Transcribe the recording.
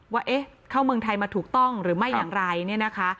ว่าเอ๊ะเข้าเมืองไทยมาถูกต้องหรือไม่อย่างไรเนี่ยนะคะ